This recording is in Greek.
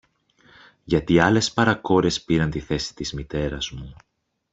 Γιατί άλλες παρακόρες πήραν τη θέση της μητέρας μου